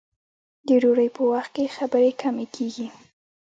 د ډوډۍ په وخت کې خبرې کمې کیږي.